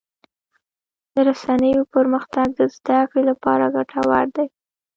د رسنیو پرمختګ د زدهکړې لپاره ګټور دی.